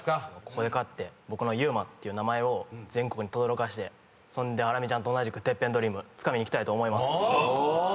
ここで勝って僕のｙｕｍａっていう名前を全国にとどろかせてそんでハラミちゃんと同じくＴＥＰＰＥＮドリームつかみにいきたいと思います。